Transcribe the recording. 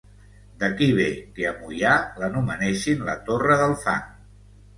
D'aquí ve que a Moià l'anomenessin la Torre del Fang.